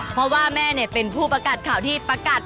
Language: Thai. เพราะว่าแม่เป็นผู้ประกาศข่าวที่ประกาศ